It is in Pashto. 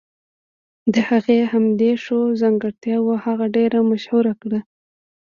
د هغې همدې ښو ځانګرتياوو هغه ډېره مشهوره کړه.